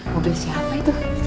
mobil siapa itu